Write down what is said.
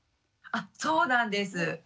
あそうなんです。